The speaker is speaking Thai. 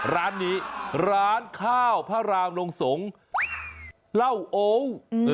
ร้านนี้ร้านข้าวพระรามลงสงฆ์เหล้าองค์